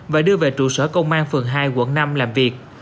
và đưa về trụ sở công an phường hai quận năm làm việc